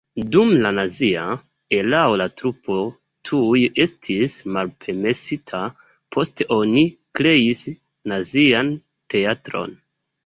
Dum la nazia erao la trupo tuj estis malpermesita, poste oni kreis nazian teatron.